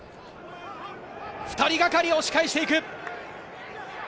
２人がかりで押し返していく。